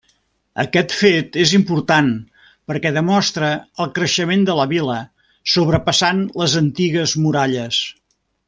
Aquest fet és important perquè demostra el creixement de la vila sobrepassant les antigues muralles.